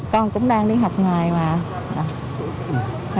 con cũng đang đi học ngoài mà